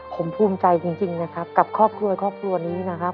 ผมภูมิใจจริงนะครับกับครอบครัวครอบครัวนี้นะครับ